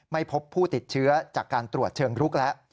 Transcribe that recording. ไม่พบผู้ติดเชื้อจากการตรวจเชิงรุกแล้ว